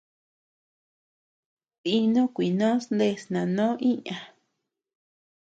Dínu kuinós ndes nanó iña.